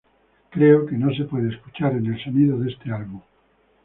Creo que se puede escuchar en el sonido de este álbum.